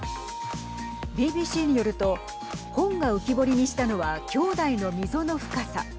ＢＢＣによると本が浮き彫りにしたのは兄弟の溝の深さ。